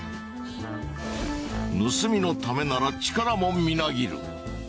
盗みのためなら力もみなぎる。